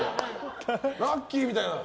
ラッキーみたいな。